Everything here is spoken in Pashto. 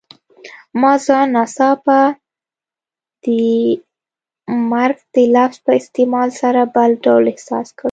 ما ځان ناڅاپه د مرګ د لفظ په استعمال سره بل ډول احساس کړ.